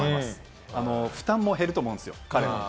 負担も減ると思うんですよ、彼の。